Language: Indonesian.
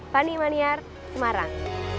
pani maniar semarang